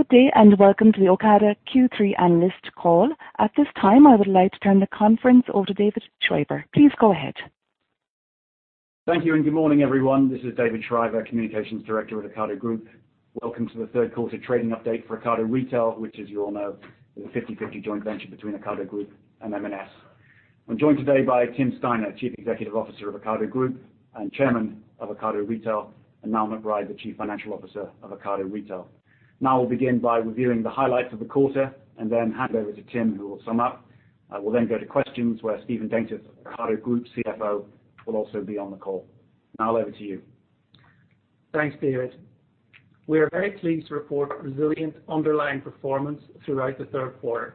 Good day. Welcome to the Ocado Q3 analyst call. At this time, I would like to turn the conference over to David Shriver. Please go ahead. Thank you and good morning, everyone. This is David Shriver, Communications Director at Ocado Group. Welcome to the third quarter trading update for Ocado Retail, which as you all know, is a 50/50 joint venture between Ocado Group and M&S. I'm joined today by Tim Steiner, Chief Executive Officer of Ocado Group and Chairman of Ocado Retail, and Niall McBride, the Chief Financial Officer of Ocado Retail. Niall, we'll begin by reviewing the highlights of the quarter and then hand over to Tim, who will sum up. I will then go to questions where Stephen Daintith, Ocado Group CFO, will also be on the call. Niall, over to you. Thanks, David. We are very pleased to report resilient underlying performance throughout the third quarter.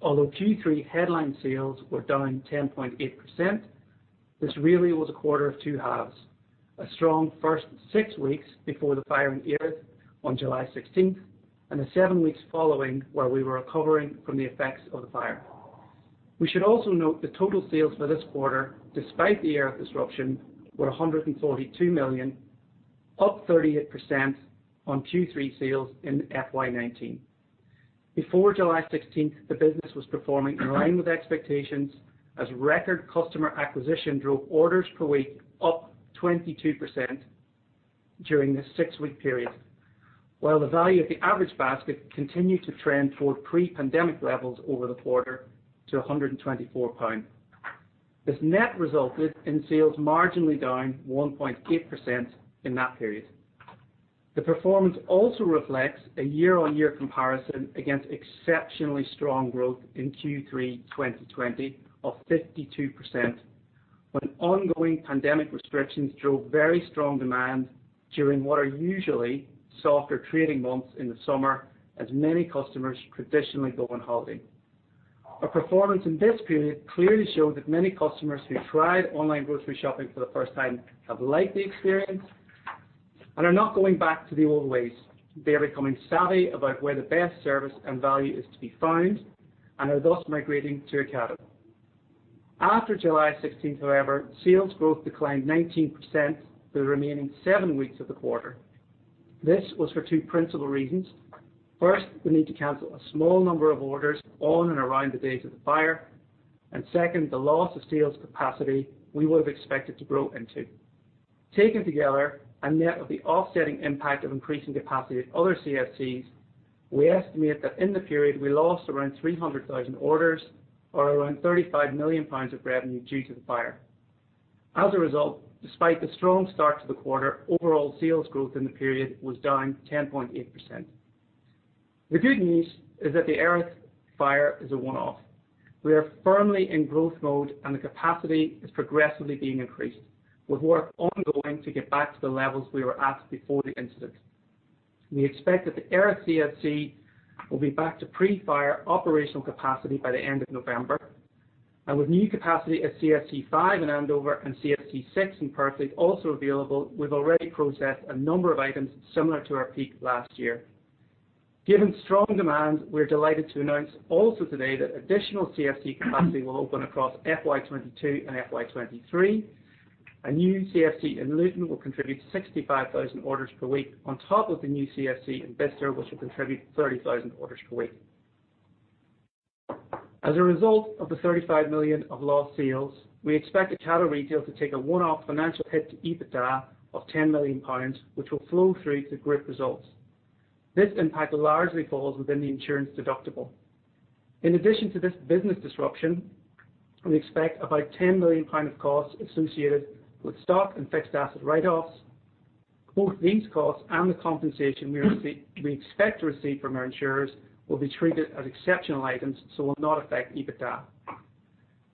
Although Q3 headline sales were down 10.8%, this really was a quarter of two halves. A strong first 6 weeks before the fire in Erith on July 16th, and the 7 weeks following, where we were recovering from the effects of the fire. We should also note the total sales for this quarter, despite the Erith disruption, were 142 million, up 38% on Q3 sales in FY2019. Before July 16th, the business was performing in line with expectations as record customer acquisition drove orders per week up 22% during this 6-week period. While the value of the average basket continued to trend toward pre-pandemic levels over the quarter to 124 pound. This net resulted in sales marginally down 1.8% in that period. The performance also reflects a year-on-year comparison against exceptionally strong growth in Q3 2020 of 52%, when ongoing pandemic restrictions drove very strong demand during what are usually softer trading months in the summer as many customers traditionally go on holiday. Our performance in this period clearly showed that many customers who tried online grocery shopping for the first time have liked the experience and are not going back to the old ways. They are becoming savvy about where the best service and value is to be found and are thus migrating to Ocado. After July 16th, however, sales growth declined 19% for the remaining 7 weeks of the quarter. This was for two principal reasons. First, we need to cancel a small number of orders on and around the date of the fire, and second, the loss of sales capacity we would have expected to grow into. Taken together, a net of the offsetting impact of increasing capacity at other CFCs, we estimate that in the period we lost around 300,000 orders or around 35 million pounds of revenue due to the fire. As a result, despite the strong start to the quarter, overall sales growth in the period was down 10.8%. The good news is that the Erith fire is a one-off. We are firmly in growth mode and the capacity is progressively being increased, with work ongoing to get back to the levels we were at before the incident. We expect that the Erith CFC will be back to pre-fire operational capacity by the end of November, and with new capacity at CFC 5 in Andover and CFC 6 in Purfleet also available, we've already processed a number of items similar to our peak last year. Given strong demand, we're delighted to announce also today that additional CFC capacity will open across FY 2022 and FY 2023. A new CFC in Luton will contribute 65,000 orders per week on top of the new CFC in Bicester, which will contribute 30,000 orders per week. As a result of the 35 million of lost sales, we expect Ocado Retail to take a one-off financial hit to EBITDA of 10 million pounds, which will flow through to group results. This impact largely falls within the insurance deductible. In addition to this business disruption, we expect about 10 million pounds of costs associated with stock and fixed asset write-offs. Both these costs and the compensation we expect to receive from our insurers will be treated as exceptional items, so will not affect EBITDA.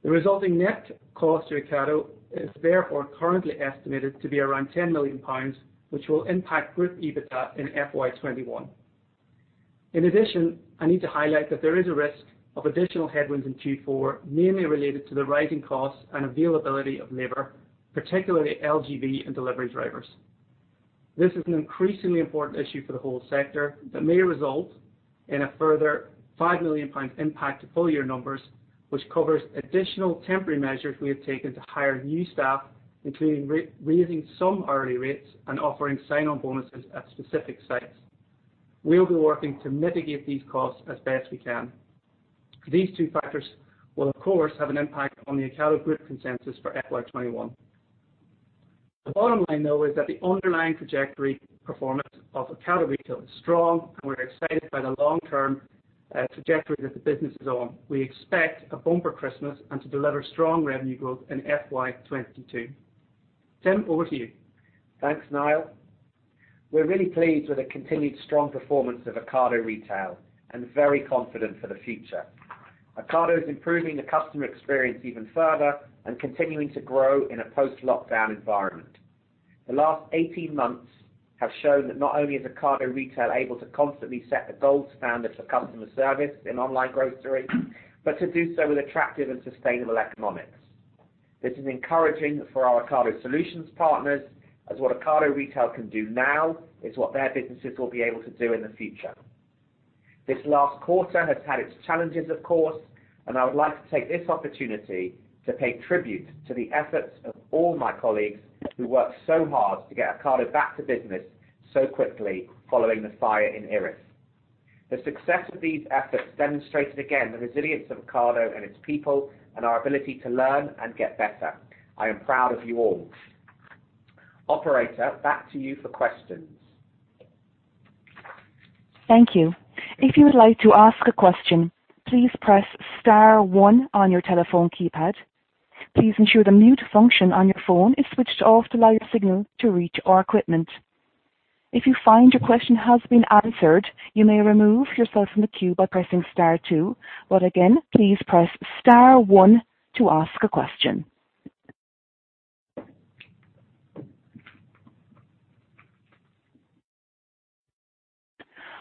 The resulting net cost to Ocado is therefore currently estimated to be around 10 million pounds, which will impact Group EBITDA in FY2021. I need to highlight that there is a risk of additional headwinds in Q4, mainly related to the rising costs and availability of labor, particularly LGV and delivery drivers. This is an increasingly important issue for the whole sector that may result in a further 5 million pounds impact to full year numbers, which covers additional temporary measures we have taken to hire new staff, including raising some hourly rates and offering sign-on bonuses at specific sites. We'll be working to mitigate these costs as best we can. These two factors will, of course, have an impact on the Ocado Group consensus for FY2021. The bottom line, though, is that the underlying trajectory performance of Ocado Retail is strong and we're excited by the long-term trajectory that the business is on. We expect a bumper Christmas and to deliver strong revenue growth in FY2022. Tim, over to you. Thanks, Niall. We're really pleased with the continued strong performance of Ocado Retail and very confident for the future. Ocado is improving the customer experience even further and continuing to grow in a post-lockdown environment. The last 18 months have shown that not only is Ocado Retail able to constantly set the gold standard for customer service in online grocery, but to do so with attractive and sustainable economics. This is encouraging for our Ocado Solutions partners as what Ocado Retail can do now is what their businesses will be able to do in the future. This last quarter has had its challenges, of course, and I would like to take this opportunity to pay tribute to the efforts of all my colleagues who worked so hard to get Ocado back to business so quickly following the fire in Erith. The success of these efforts demonstrated again the resilience of Ocado and its people, and our ability to learn and get better. I am proud of you all. Operator, back to you for questions. Thank you.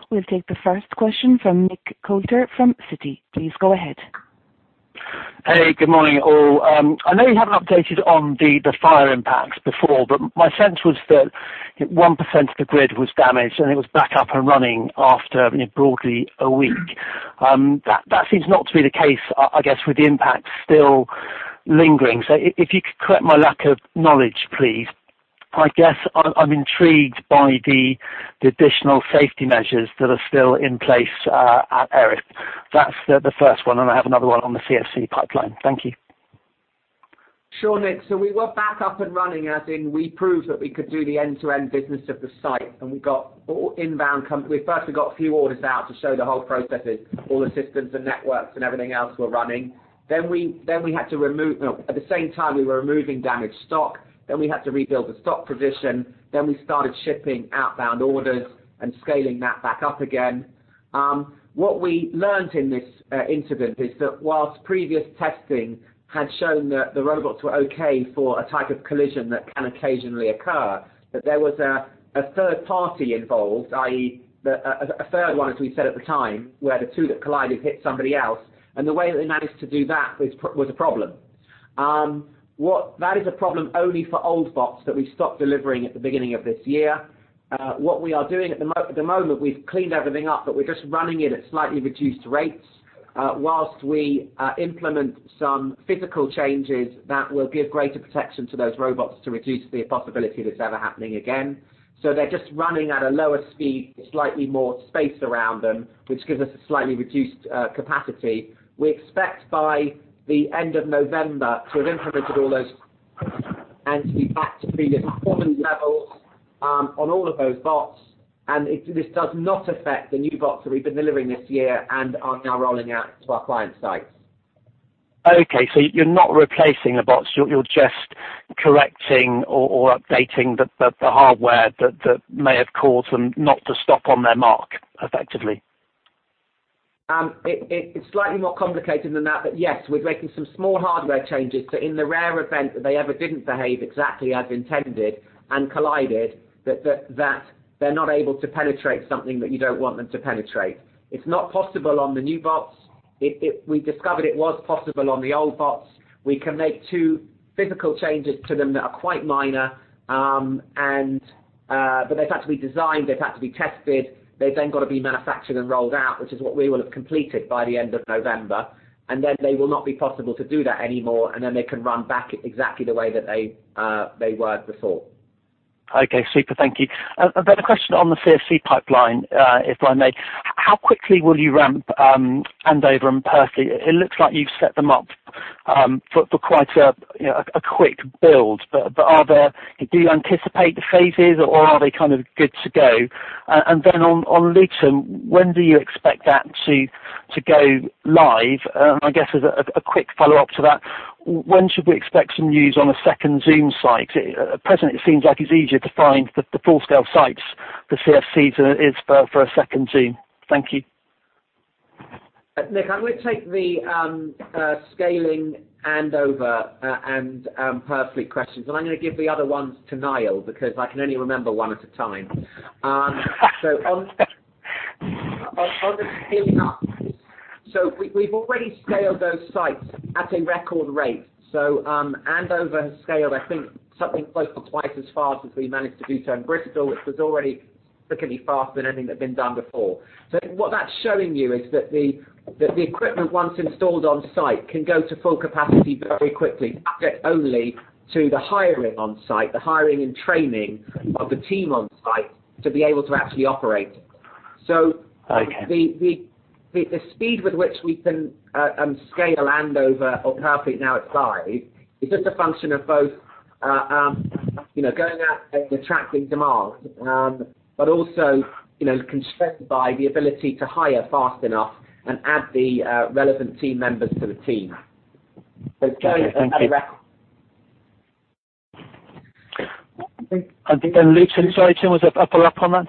We'll take the first question from Nick Coulter from Citi. Please go ahead. Hey, good morning, all. I know you haven't updated on the fire impacts before, but my sense was that 1% of the grid was damaged, and it was back up and running after, broadly, a 1 week. That seems not to be the case, I guess, with the impact still lingering. If you could correct my lack of knowledge, please. I guess I'm intrigued by the additional safety measures that are still in place at Erith. That's the first one, and I have another one on the CFC pipeline. Thank you. Sure, Nick. We were back up and running, as in we proved that we could do the end-to-end business of the site. First, we got a few orders out to show the whole processes, all the systems and networks and everything else were running. At the same time, we were removing damaged stock, we had to rebuild the stock position. We started shipping outbound orders and scaling that back up again. What we learned in this incident is that whilst previous testing had shown that the robots were okay for a type of collision that can occasionally occur, that there was a third party involved, i.e., a third one, as we said at the time, where the two that collided hit somebody else. The way that they managed to do that was a problem. That is a problem only for old bots that we stopped delivering at the beginning of this year. What we are doing at the moment, we've cleaned everything up, but we're just running it at slightly reduced rates whilst we implement some physical changes that will give greater protection to those robots to reduce the possibility of this ever happening again. They're just running at a lower speed with slightly more space around them, which gives us a slightly reduced capacity. We expect by the end of November to have implemented all those and to be back to previous performance levels on all of those bots. This does not affect the new bots that we've been delivering this year and are now rolling out to our client sites. Okay, you're not replacing the bots. You're just correcting or updating the hardware that may have caused them not to stop on their mark, effectively. It's slightly more complicated than that. Yes, we're making some small hardware changes, so in the rare event that they ever didn't behave exactly as intended and collided, that they're not able to penetrate something that you don't want them to penetrate. It's not possible on the new bots. We discovered it was possible on the old bots. We can make two physical changes to them that are quite minor, but they've had to be designed, they've had to be tested, they've then got to be manufactured and rolled out, which is what we will have completed by the end of November. Then they will not be possible to do that anymore, and then they can run back exactly the way that they worked before. Okay, super. Thank you. I've got a question on the CFC pipeline, if I may. How quickly will you ramp Andover and Purfleet? It looks like you've set them up for quite a quick build. Do you anticipate the phases, or are they kind of good to go? On Luton, when do you expect that to go live? I guess as a quick follow-up to that, when should we expect some news on a second Zoom site? At present, it seems like it's easier to find the full-scale sites for CFC than it is for a second Zoom. Thank you. Nick, I'm going to take the scaling Andover and Purfleet questions, and I'm going to give the other ones to Niall because I can only remember one at a time. On the scaling up, so we've already scaled those sites at a record rate. Andover has scaled, I think, something close to twice as fast as we managed to do so in Bristol, which was already quicker faster than anything that had been done before. What that's showing you is that the equipment, once installed on-site, can go to full capacity very quickly. Subject only to the hiring on-site, the hiring and training of the team on-site to be able to actually operate. Okay. The speed with which we can scale Andover or Purfleet now at site is just a function of both going out and attracting demand, also constrained by the ability to hire fast enough and add the relevant team members to the team. Okay. Thank you. Luton. Sorry, Tim, was there a follow-up on that?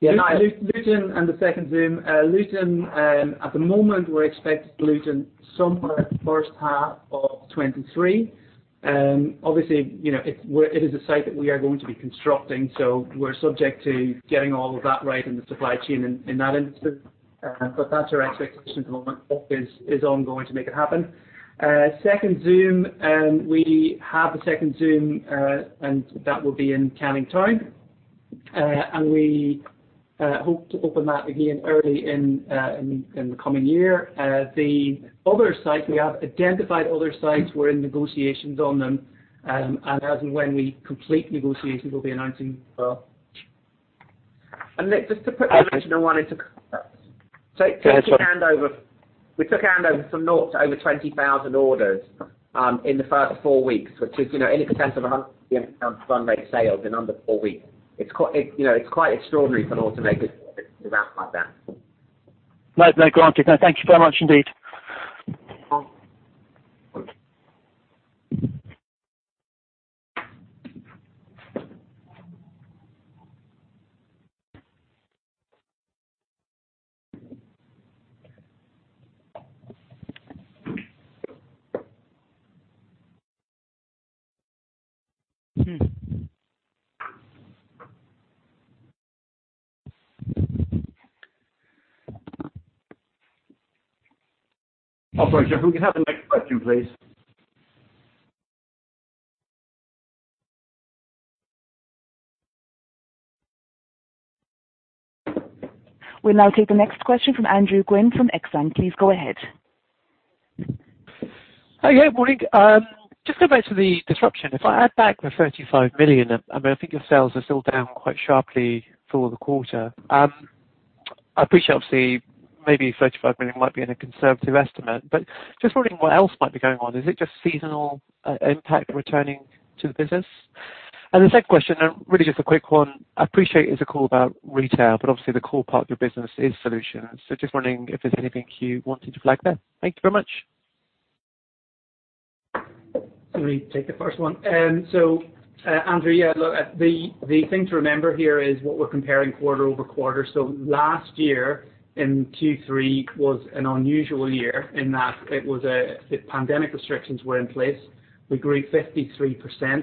Luton and the second Zoom. Luton, at the moment, we're expecting Luton somewhere first half of 2023. It is a site that we are going to be constructing, so we're subject to getting all of that right in the supply chain in that instance. That's our expectation at the moment. Work is ongoing to make it happen. Second Zoom, we have a second Zoom, that will be in Canning Town We hope to open that again early in the coming year. We have identified other sites. We're in negotiations on them. As and when we complete negotiations, we'll be announcing as well. Nick, just to put the original one into context. Go ahead, sorry. We took Andover from 0 to over 20,000 orders in the first four weeks, which is in excess of 100% of sales in under four weeks. It's quite extraordinary for an automated service to be out like that. No, granted. No, thank you very much indeed. Operator, if we could have the next question, please. We'll now take the next question from Andrew Gwynn from Exane. Please go ahead. Hi. Yeah, morning. Just going back to the disruption. If I add back the 35 million, I mean, I think your sales are still down quite sharply for the quarter. I appreciate, obviously, maybe 35 million might be in a conservative estimate, but just wondering what else might be going on. Is it just seasonal impact returning to the business? The second question, really just a quick one. I appreciate it's a call about Ocado Retail, but obviously the core part of your business is solutions. Just wondering if there's anything you wanted to flag there. Thank you very much. Let me take the first one. Andrew, yeah, look, the thing to remember here is what we're comparing quarter-over-quarter. Last year in Q3 was an unusual year in that pandemic restrictions were in place. We grew 53%,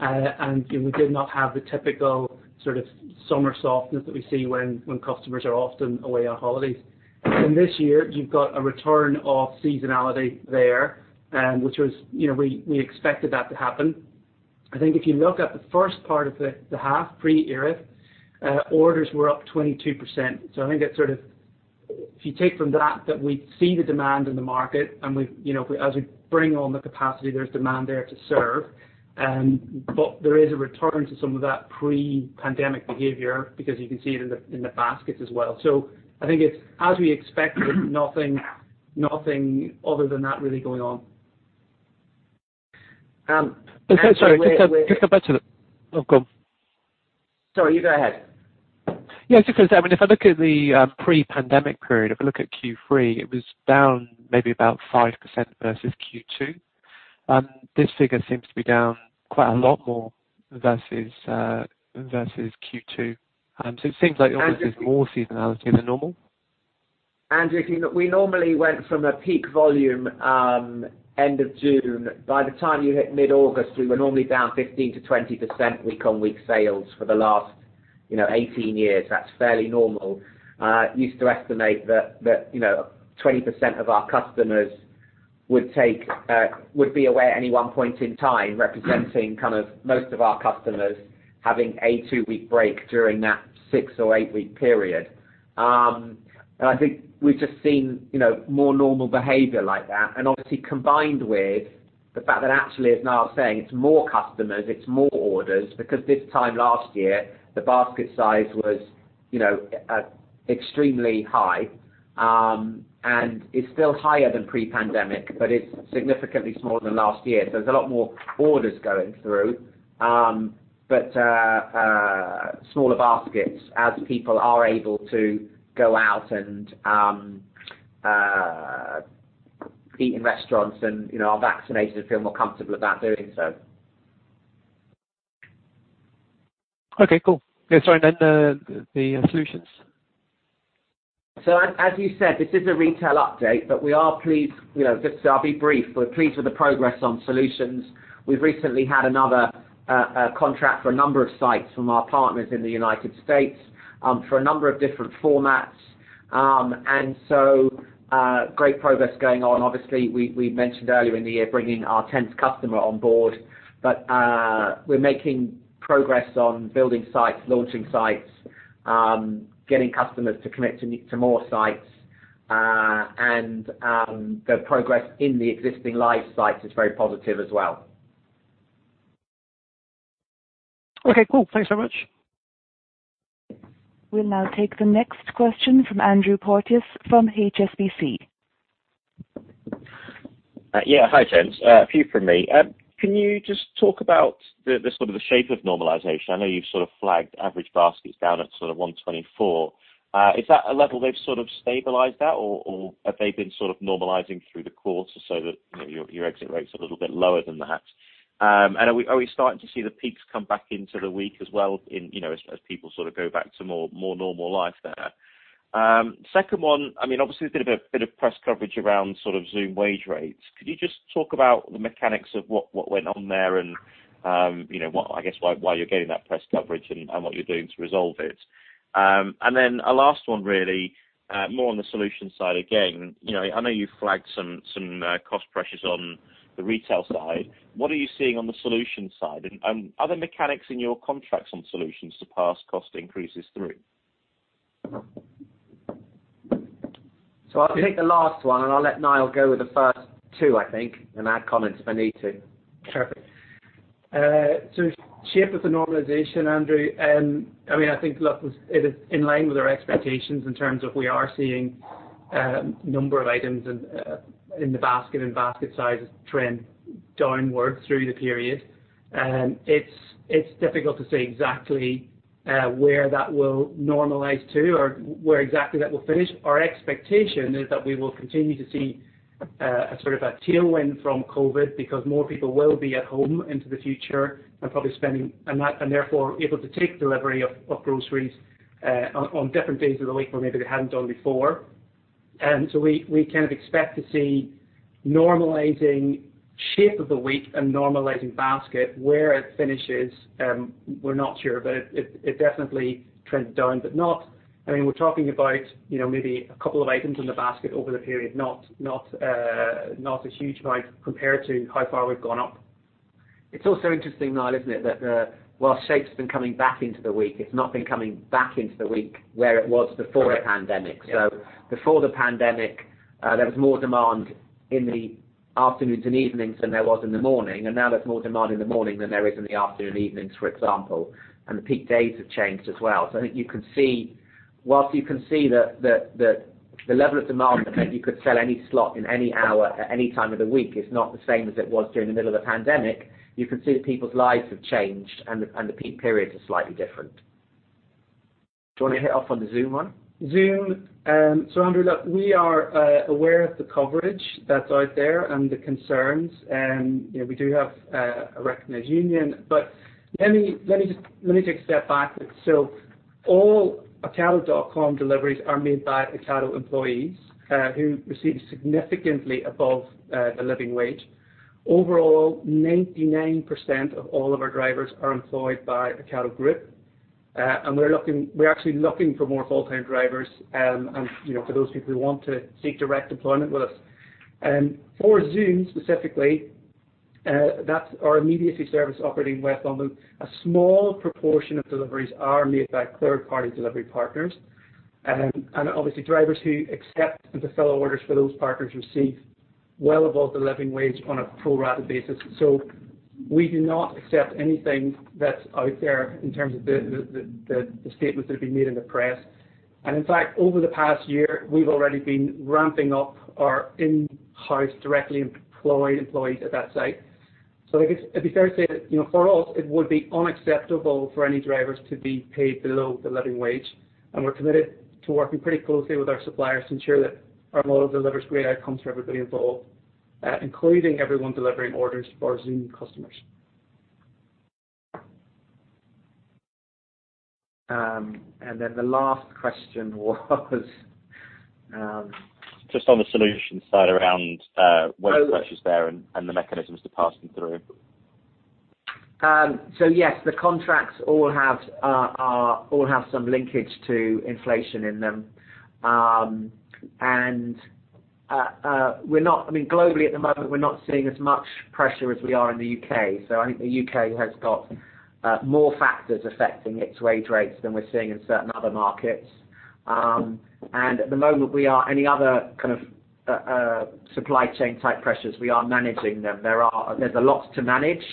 and we did not have the typical sort of summer softness that we see when customers are often away on holidays. In this year, you've got a return of seasonality there, which we expected that to happen. I think if you look at the first part of the half, pre-Erith, orders were up 22%. I think if you take from that we see the demand in the market, and as we bring on the capacity, there's demand there to serve. There is a return to some of that pre-pandemic behavior, because you can see it in the baskets as well. I think it's as we expected, nothing other than that really going on. Sorry. Sorry, you go ahead. Just because, I mean, if I look at the pre-pandemic period, if I look at Q3, it was down maybe about 5% versus Q2. This figure seems to be down quite a lot more versus Q2. Andrew- Almost there's more seasonality than normal. Andrew, we normally went from a peak volume end of June. By the time you hit mid-August, we were normally down 15%-20% week-on-week sales for the last 18 years. That's fairly normal. We used to estimate that 20% of our customers would be away at any one point in time, representing most of our customers having a two-week break during that six or eight-week period. I think we've just seen more normal behavior like that, obviously combined with the fact that actually, as Niall's saying, it's more customers, it's more orders, because this time last year, the basket size was extremely high. It's still higher than pre-pandemic, but it's significantly smaller than last year. There's a lot more orders going through, but smaller baskets as people are able to go out and eat in restaurants and are vaccinated, feel more comfortable about doing so. Okay, cool. Yeah, sorry, then the solutions. As you said, this is a retail update, but we are pleased. I will be brief. We are pleased with the progress on solutions. We have recently had another contract for a number of sites from our partners in the United States for a number of different formats. Great progress going on. Obviously, we mentioned earlier in the year bringing our 10th customer on board. We are making progress on building sites, launching sites, getting customers to commit to more sites. The progress in the existing live sites is very positive as well. Okay, cool. Thanks so much. We'll now take the next question from Andrew Porteous from HSBC. Yeah. Hi, gents. A few from me. Can you just talk about the sort of the shape of normalization? I know you've sort of flagged average baskets down at sort of 124. Is that a level they've sort of stabilized at, or have they been sort of normalizing through the quarter so that your exit rate's a little bit lower than that? Are we starting to see the peaks come back into the week as well as people sort of go back to more normal life there? Second one, I mean, obviously a bit of press coverage around Zoom wage rates. Could you just talk about the mechanics of what went on there and, I guess, why you're getting that press coverage and what you're doing to resolve it? A last one really, more on the solutions side again. I know you flagged some cost pressures on the retail side. What are you seeing on the solutions side? Are there mechanics in your contracts on solutions to pass cost increases through? I'll take the last one, and I'll let Niall go with the first two, I think, and add comments if I need to. Perfect. Shape of the normalization, Andrew, I think, look, it is in line with our expectations in terms of we are seeing a number of items in the basket and basket sizes trend downward through the period. It's difficult to say exactly where that will normalize to or where exactly that will finish. Our expectation is that we will continue to see a sort of a tailwind from COVID because more people will be at home into the future and probably spending and therefore able to take delivery of groceries on different days of the week where maybe they hadn't done before. We kind of expect to see normalizing shape of the week and normalizing basket. Where it finishes, we're not sure, but it definitely trends down. We're talking about maybe a couple of items in the basket over the period, not a huge amount compared to how far we've gone up. It's also interesting, Niall, isn't it, that while shape's been coming back into the week, it's not been coming back into the week where it was before the pandemic. Correct. Yeah. Before the pandemic, there was more demand in the afternoons and evenings than there was in the morning. Now there's more demand in the morning than there is in the afternoon and evenings, for example. The peak days have changed as well. I think whilst you can see the level of demand, I mean, you could sell any slot in any hour at any time of the week, it's not the same as it was during the middle of the pandemic. You can see that people's lives have changed and the peak periods are slightly different. Do you want to hit off on the Zoom 1? Zoom. Andrew, look, we are aware of the coverage that's out there and the concerns. We do have a recognized union. Let me take a step back. All ocado.com deliveries are made by Ocado employees who receive significantly above the living wage. Overall, 99% of all of our drivers are employed by Ocado Group, and we're actually looking for more full-time drivers, and for those people who want to seek direct employment with us. For Zoom specifically, that's our immediacy service operating in West London. A small proportion of deliveries are made by third-party delivery partners. Obviously, drivers who accept and fulfill orders for those partners receive well above the living wage on a pro rata basis. We do not accept anything that's out there in terms of the statements that have been made in the press. In fact, over the past year, we've already been ramping up our in-house directly employed employees at that site. I guess it'd be fair to say that, for us, it would be unacceptable for any drivers to be paid below the living wage, and we're committed to working pretty closely with our suppliers to ensure that our model delivers great outcomes for everybody involved, including everyone delivering orders for our Zoom customers. The last question was. Just on the solutions side around wage pressures there and the mechanisms to pass them through. Yes, the contracts all have some linkage to inflation in them. Globally at the moment, we're not seeing as much pressure as we are in the U.K. I think the U.K. has got more factors affecting its wage rates than we're seeing in certain other markets. At the moment, any other kind of supply chain type pressures, we are managing them. There's a lot to manage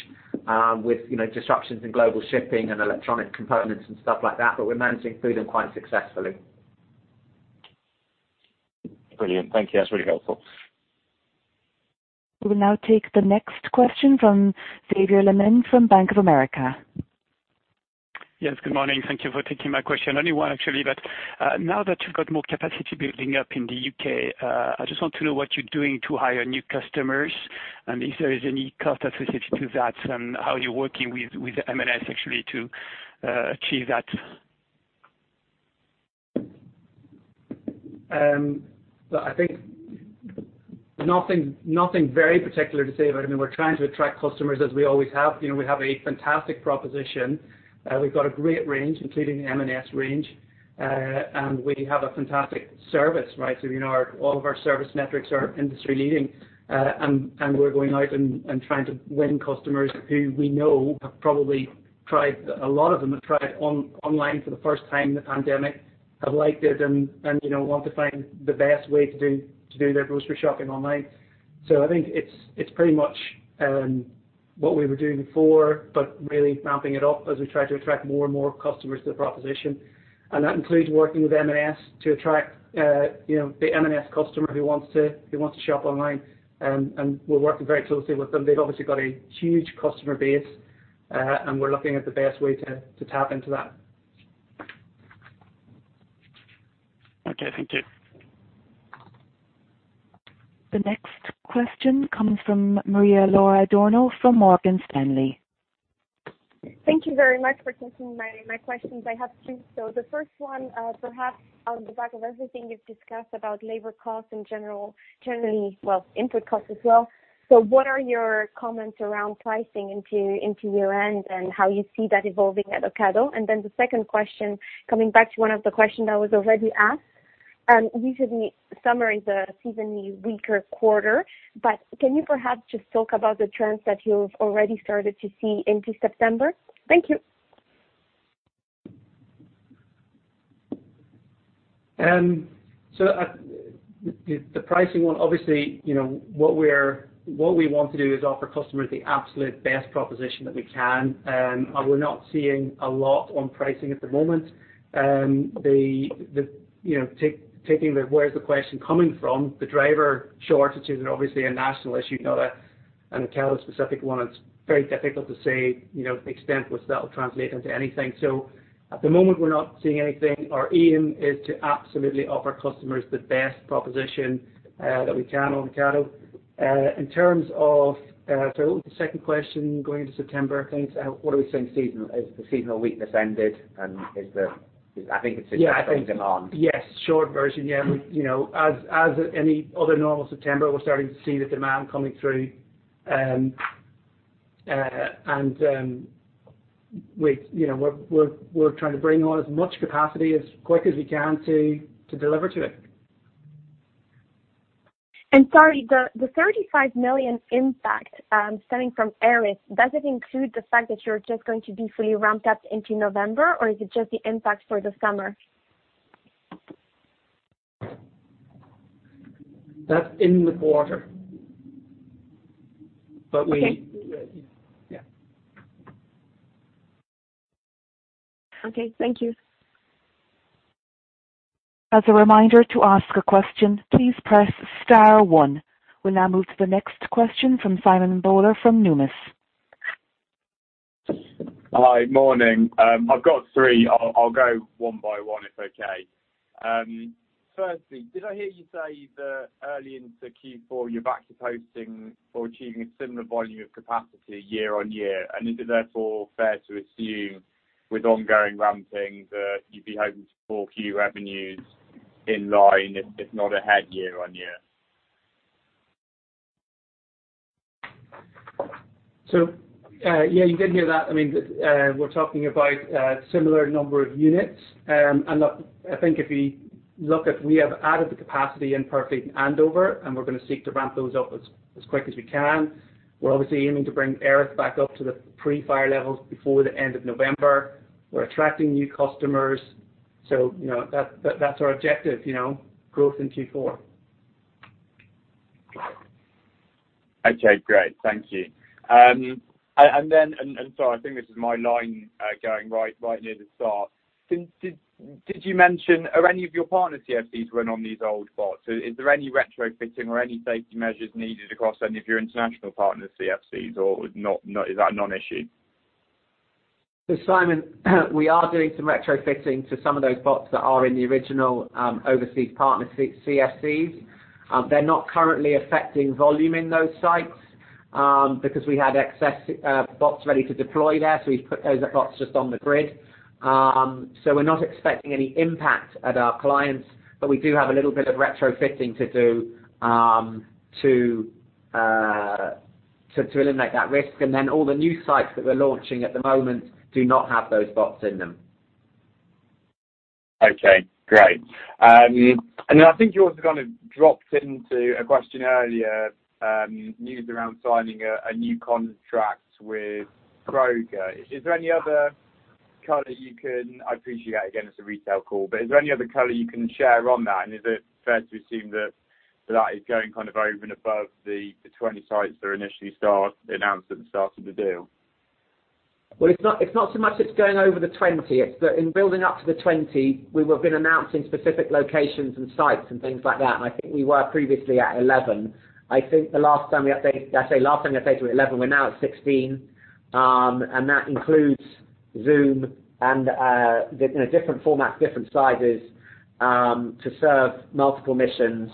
with disruptions in global shipping and electronic components and stuff like that, but we're managing through them quite successfully. Brilliant. Thank you. That's really helpful. We will now take the next question from Xavier Le Mené from Bank of America. Yes, good morning. Thank you for taking my question. Only one, actually. Now that you've got more capacity building up in the U.K., I just want to know what you're doing to hire new customers, if there is any cost associated to that, and how you're working with M&S actually to achieve that. I think nothing very particular to say about it. I mean, we're trying to attract customers as we always have. We have a fantastic proposition. We've got a great range, including the M&S range, and we have a fantastic service, right? All of our service metrics are industry leading. We're going out and trying to win customers who we know have probably tried, a lot of them have tried online for the first time in the pandemic, have liked it, and want to find the best way to do their grocery shopping online. I think it's pretty much what we were doing before, but really ramping it up as we try to attract more and more customers to the proposition. That includes working with M&S to attract the M&S customer who wants to shop online, and we're working very closely with them. They've obviously got a huge customer base, and we're looking at the best way to tap into that. Okay, thank you. The next question comes from Maria-Laura Adurno from Morgan Stanley. Thank you very much for taking my questions. I have two. The first one, perhaps on the back of everything you've discussed about labor costs in general, input costs as well. What are your comments around pricing into year-end and how you see that evolving at Ocado? The second question, coming back to 1 of the questions that was already asked. Usually summer is a seasonally weaker quarter, but can you perhaps just talk about the trends that you've already started to see into September? Thank you. The pricing one, obviously, what we want to do is offer customers the absolute best proposition that we can. We're not seeing a lot on pricing at the moment. Taking the where is the question coming from, the driver shortages are obviously a national issue, you know that. Ocado's a specific one, it's very difficult to say, the extent which that will translate into anything. At the moment, we're not seeing anything. Our aim is to absolutely offer customers the best proposition that we can on Ocado. Sorry, what was the second question, going into September? I think it's what are we seeing. Has the seasonal weakness ended? Yeah. strong demand. Yes. Short version, yeah. As any other normal September, we're starting to see the demand coming through. We're trying to bring on as much capacity as quick as we can to deliver to it. Sorry, the 35 million impact stemming from Erith, does it include the fact that you're just going to be fully ramped up into November, or is it just the impact for the summer? That's in the quarter. Okay. Yeah. Okay. Thank you. As a reminder, to ask a question, please press star one. We'll now move to the next question from Simon Bowler from Numis. Hi. Morning. I've got three. I'll go one by one, if okay. Firstly, did I hear you say that early into Q4, you're back to posting or achieving a similar volume of capacity year on year? Is it therefore fair to assume with ongoing ramping that you'd be hoping to pull Q revenues in line, if not ahead year-on-year? Yeah, you did hear that. We're talking about a similar number of units. Look, I think if we look at we have added the capacity in Purfleet and Andover, and we're going to seek to ramp those up as quick as we can. We're obviously aiming to bring Erith back up to the pre-fire levels before the end of November. We're attracting new customers. That's our objective, growth in Q4. Okay, great. Thank you. Sorry, I think this is my line going right near the start. Did you mention, are any of your partner CFCs run on these old bots? Is there any retrofitting or any safety measures needed across any of your international partner CFCs, or is that a non-issue? Simon, we are doing some retrofitting to some of those bots that are in the original overseas partner CFCs. They're not currently affecting volume in those sites, because we had excess bots ready to deploy there, so we've put those bots just on the grid. We're not expecting any impact at our clients, but we do have a little bit of retrofitting to do to eliminate that risk. All the new sites that we're launching at the moment do not have those bots in them. Okay, great. I think you also kind of dropped into a question earlier, news around signing a new contract with Kroger. I appreciate that again, it's a retail call. Is there any other color you can share on that? Is it fair to assume that is going kind of over and above the 20 sites that initially started the announcement at the start of the deal? Well, it's not so much it's going over the 20. It's that in building up to the 20, we have been announcing specific locations and sites and things like that, and I think we were previously at 11. I think the last time we updated-- Did I say last time we updated, we were 11, we're now at 16. That includes Zoom and different formats, different sizes, to serve multiple missions,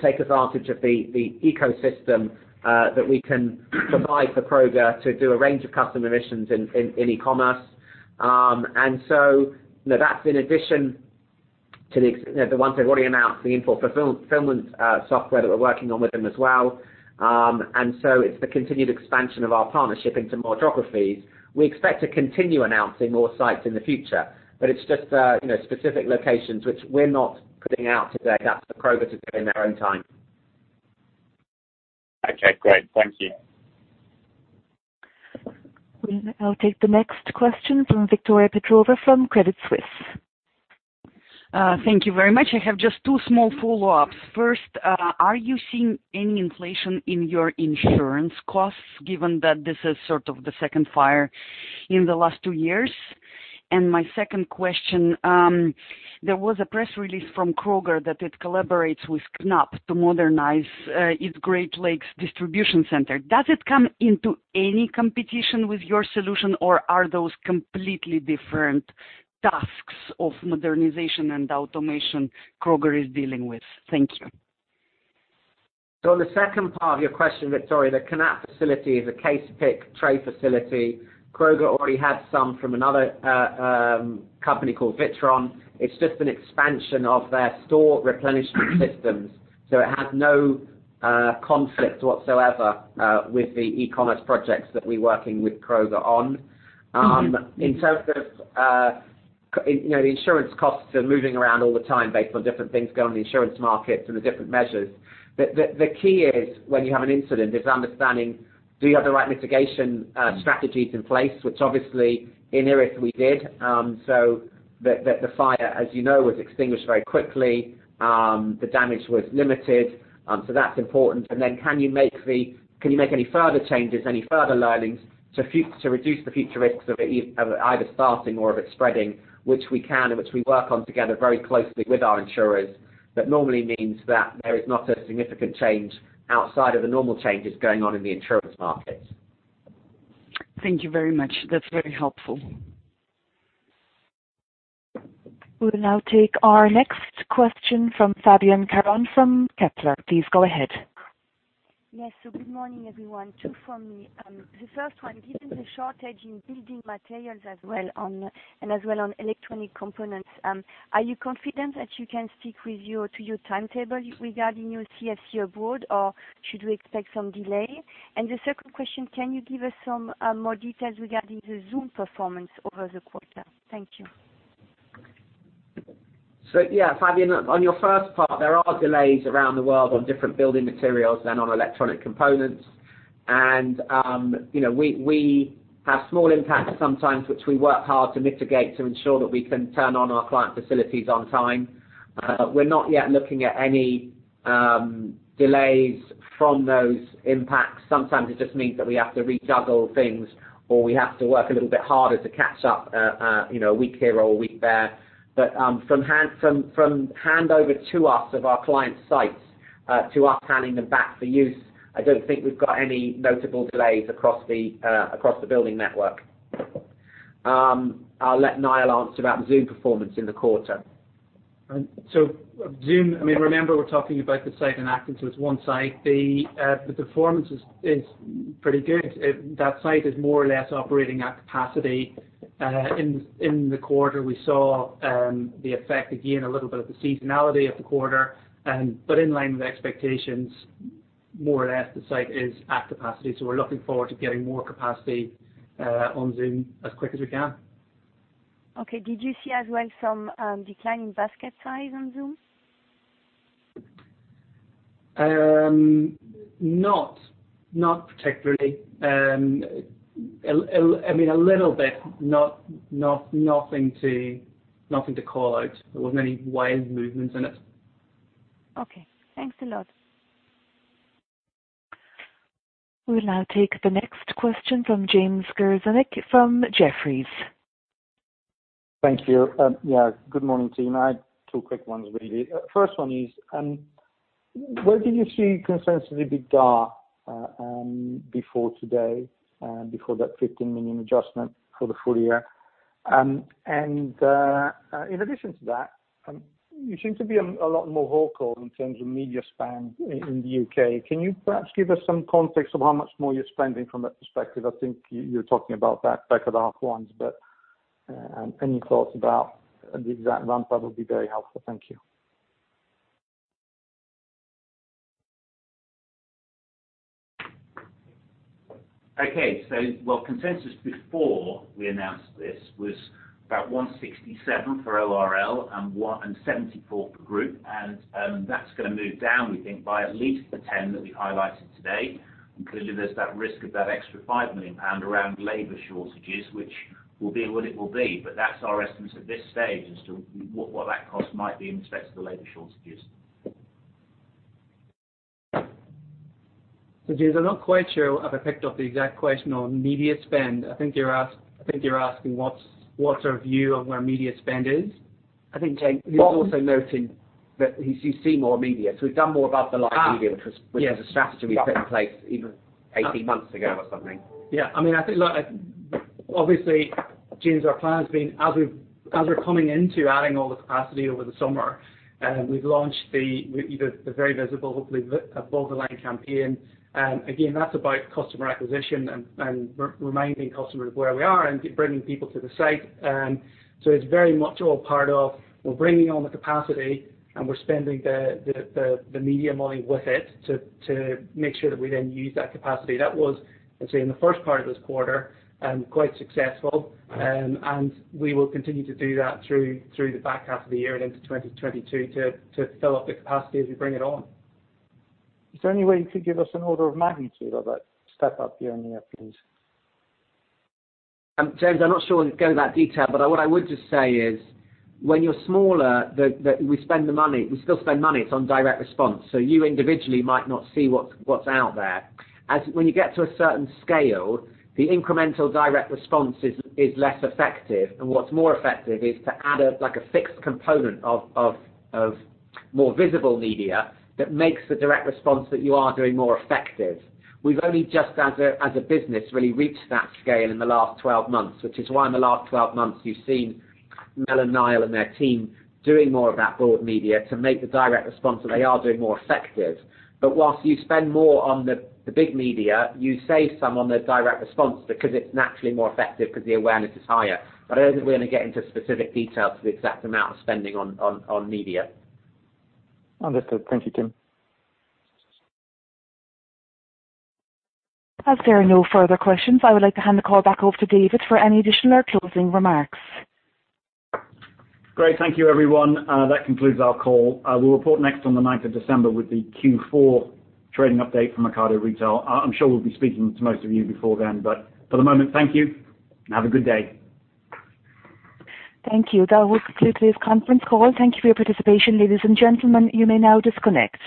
take advantage of the ecosystem that we can provide for Kroger to do a range of customer missions in e-commerce. That's in addition to the ones they've already announced, the in-store fulfillment software that we're working on with them as well. It's the continued expansion of our partnership into more geographies. We expect to continue announcing more sites in the future. It's just specific locations, which we're not putting out today. That's for Kroger to do in their own time. Okay, great. Thank you. I'll take the next question from Victoria Petrova from Credit Suisse. Thank you very much. I have just two small follow-ups. First, are you seeing any inflation in your insurance costs, given that this is sort of the second fire in the last 2 years? My second question, there was a press release from Kroger that it collaborates with KNAPP to modernize its Great Lakes Distribution Center. Does it come into any competition with your solution, or are those completely different tasks of modernization and automation Kroger is dealing with? Thank you. On the second part of your question, Victoria, the KNAPP facility is a case pick tray facility. Kroger already had some from another company called Witron. It's just an expansion of their store replenishment systems. It had no conflict whatsoever with the e-commerce projects that we're working with Kroger on. In terms of the insurance costs are moving around all the time based on different things going on in the insurance markets and the different measures. The key is, when you have an incident, is understanding, do you have the right mitigation strategies in place? Which obviously in Erith we did. The fire, as you know, was extinguished very quickly. The damage was limited. That's important. Can you make any further changes, any further learnings to reduce the future risks of it either starting or of it spreading? Which we can, and which we work on together very closely with our insurers. That normally means that there is not a significant change outside of the normal changes going on in the insurance market. Thank you very much. That's very helpful. We'll now take our next question from Fabienne Caron from Kepler. Please go ahead. Yes. Good morning, everyone. Two from me. The first one, given the shortage in building materials and as well on electronic components, are you confident that you can stick to your timetable regarding your CFC abroad, or should we expect some delay? The second question, can you give us some more details regarding the Zoom performance over the quarter? Thank you. Yeah, Fabienne, on your first part, there are delays around the world on different building materials and on electronic components. And we have small impacts sometimes, which we work hard to mitigate to ensure that we can turn on our client facilities on time. We're not yet looking at any delays from those impacts. Sometimes it just means that we have to rejiggle things, or we have to work a little bit harder to catch up a week here or a week there. But from handover to us of our client sites, to us handing them back for use, I don't think we've got any notable delays across the building network. I'll let Niall answer about the Zoom performance in the quarter. Zoom, remember we're talking about the site in Acton. It's one site. The performance is pretty good. That site is more or less operating at capacity. In the quarter, we saw the effect, again, a little bit of the seasonality of the quarter. In line with expectations, more or less the site is at capacity. We're looking forward to getting more capacity on Zoom as quick as we can. Okay. Did you see as well some decline in basket size on Zoom? Not particularly. A little bit, nothing to call out. There weren't any wild movements in it. Okay. Thanks a lot. We'll now take the next question from James Grzinic from Jefferies. Thank you. Yeah, good morning to you. I have two quick ones, really. First one is, where did you see consensus EBITDA before today, before that 15 million adjustment for the full year? In addition to that, you seem to be a lot more hawkish in terms of media spend in the U.K. Can you perhaps give us some context of how much more you're spending from that perspective? I think you were talking about that back at half one, but any thoughts about the exact ramp up would be very helpful. Thank you. Okay. Consensus before we announced this was about 167 for ORL and 74 for group, and that's going to move down, we think, by at least the 10 that we highlighted today. Clearly, there's that risk of that extra 5 million pound around labor shortages, which will be what it will be, but that's our estimate at this stage as to what that cost might be in respect to the labor shortages. James, I'm not quite sure I've picked up the exact question on media spend. I think you're asking what our view on where media spend is. I think, James, he's also noting that he's seen more media. We've done more above the line media which was a strategy we put in place even 18 months ago or something. Obviously, James, our plan has been as we're coming into adding all the capacity over the summer, we've launched the very visible, hopefully above the line campaign. Again, that's about customer acquisition and reminding customers of where we are and bringing people to the site. It's very much all part of we're bringing on the capacity and we're spending the media money with it to make sure that we then use that capacity. That was, I'd say, in the first part of this quarter, quite successful, and we will continue to do that through the back half of the year and into 2022 to fill up the capacity as we bring it on. Is there any way you could give us an order of magnitude of that step up year on year, please? James, I'm not sure I can go into that detail, what I would just say is, when you're smaller, we still spend money. It's on direct response. You individually might not see what's out there. When you get to a certain scale, the incremental direct response is less effective, and what's more effective is to add a fixed component of more visible media that makes the direct response that you are doing more effective. We've only just as a business really reached that scale in the last 12 months, which is why in the last 12 months you've seen Mel and Niall and their team doing more of that broad media to make the direct response that they are doing more effective. Whilst you spend more on the big media, you save some on the direct response because it's naturally more effective because the awareness is higher. I don't think we're going to get into specific details for the exact amount of spending on media. Understood. Thank you, Tim. As there are no further questions, I would like to hand the call back over to David for any additional or closing remarks. Great. Thank you everyone. That concludes our call. We'll report next on the 9th of December with the Q4 trading update from Ocado Retail. I'm sure we'll be speaking to most of you before then, but for the moment, thank you and have a good day. Thank you. That will conclude this conference call. Thank you for your participation, ladies and gentlemen. You may now disconnect.